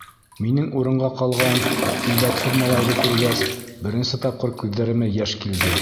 Минең урынға ҡалған килбәтһеҙ малайҙы күргәс, беренсе тапҡыр күҙҙәремә йәш килде.